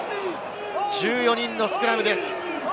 １４人のスクラムです。